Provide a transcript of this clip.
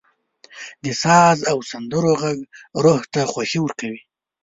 • د ساز او سندرو ږغ روح ته خوښي ورکوي.